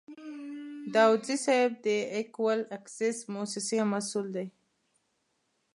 داودزی صیب د اکول اکسیس موسسې مسوول دی.